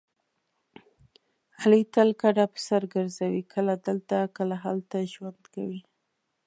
علي تل کډه په سر ګرځوي کله دلته کله هلته ژوند کوي.